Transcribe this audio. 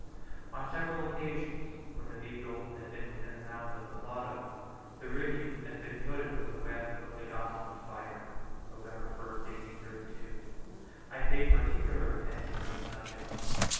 On several occasions, when the Beagle has been within the mouth of the Plata, the rigging has been coated with the web of the Gossamer Spider. One day (November 1st, 1832) I paid particular attention to this subject.